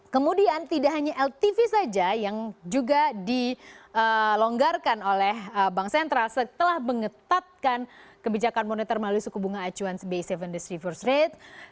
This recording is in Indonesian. kemudian tidak hanya ltv saja yang juga dilonggarkan oleh bank sentral setelah mengetatkan kebijakan moneter melalui suku bunga acuan base tujuh dis reverse rate